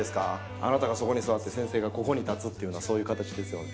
あなたがそこに座って先生がここに立つっていうのはそういう形ですよね。